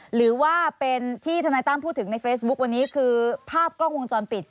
หรือว่าเป็นที่ทนายตั้มพูดถึงในเฟซบุ๊ควันนี้คือภาพกล้องวงจรปิด